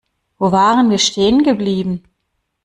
Wo waren wir stehen geblieben?